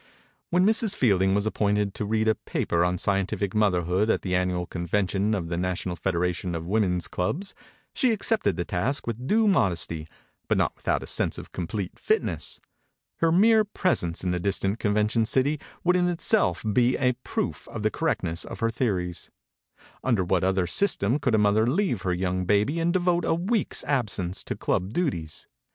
When Mrs. Fielding was ap pointed to read a paper on Scientific Motherhood at the an nual convention of the national federation of Women's clubs, she accepted the task with due modesty but not without a sense of complete fitness. Her mere presence in the distant conven tion city would in itself be a 64 bo 00 § 00 bo c THE NEW YORK PUBLIC LIBRARY THE INCUBATOR BABY proof of the correctness of her theories. Under what other system could a mother leave her young baby and devote a week's absence to club duties?